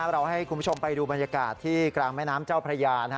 เราให้คุณผู้ชมไปดูบรรยากาศที่กลางแม่น้ำเจ้าพระยา